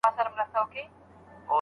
اور د میني بل نه وي بورا نه وي